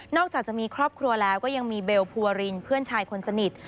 จากจะมีครอบครัวแล้วก็ยังมีเบลภูวรินเพื่อนชายคนสนิท